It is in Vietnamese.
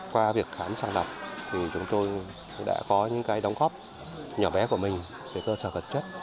qua việc khám sàng lọc chúng tôi đã có những cái đóng góp nhỏ bé của mình về cơ sở vật chất